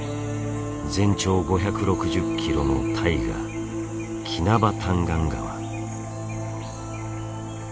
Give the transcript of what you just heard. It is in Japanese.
全長５６０キロの大河キナバタンガン川。